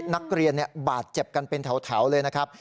นักเรียนบาดเจ็บกันเป็นแถวเลยนะครับ